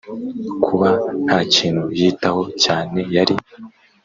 kuba ntakintu yitaho cyane yari